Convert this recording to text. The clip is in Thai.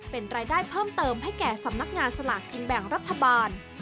เป็นรายได้เพิ่มเติมให้แก่สำนักงานสลากกินแบ่งรัฐบาล